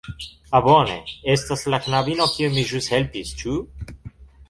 Ah, bone, estas la knabino kiun mi ĵus helpis, ĉu?